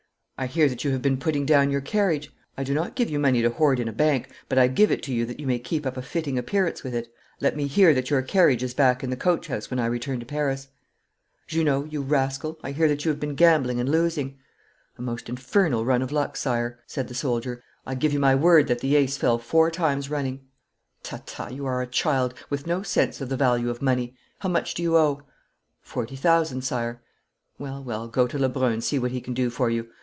'I hear that you have been putting down your carriage. I do not give you money to hoard in a bank, but I give it to you that you may keep up a fitting appearance with it. Let me hear that your carriage is back in the coach house when I return to Paris. Junot, you rascal, I hear that you have been gambling and losing.' 'The most infernal run of luck, sire,' said the soldier, 'I give you my word that the ace fell four times running.' 'Ta, ta, you are a child, with no sense of the value of money. How much do you owe?' 'Forty thousand, sire.' 'Well, well, go to Lebrun and see what he can do for you.